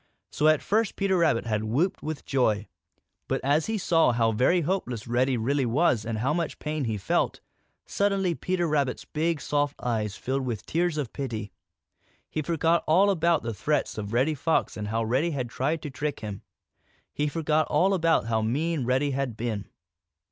So at first Peter Rabbit had whooped with joy. But as he saw how very helpless Reddy really was and how much pain he felt, suddenly Peter Rabbit's big, soft eyes filled with tears of pity. He forgot all about the threats of Reddy Fox and how Reddy had tried to trick him. He forgot all about how mean Reddy had been.